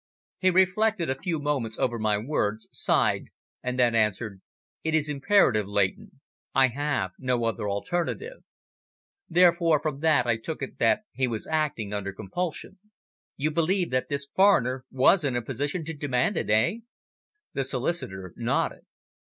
"He reflected a few moments over my words, sighed, and then answered, `It is imperative, Leighton. I have no other alternative.' Therefore from that I took it that he was acting under compulsion." "You believe that this foreigner was in a position to demand it eh?" The solicitor nodded.